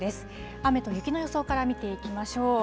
雨と雪の予想から見ていきましょう。